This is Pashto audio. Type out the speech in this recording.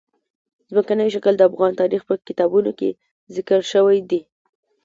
ځمکنی شکل د افغان تاریخ په کتابونو کې ذکر شوی دي.